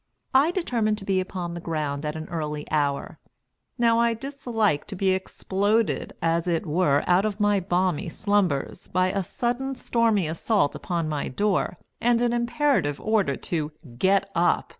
I determined to be upon the ground at an early hour. Now I dislike to be exploded, as it were, out of my balmy slumbers, by a sudden, stormy assault upon my door, and an imperative order to "Get up!"